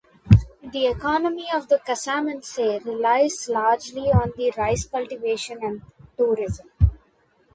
The economy of the Casamance relies largely on rice cultivation and tourism.